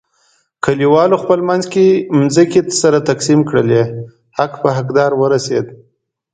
کلیوالو خپل منځ کې ځمکې سره تقسیم کړلې، حق په حق دار ورسیدا.